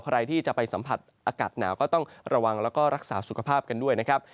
ใครที่จะไปสัมผัสอากาศหนาวก็ต้องระวังแล้วก็รักษาสุขภาพกันด้วยนะครับ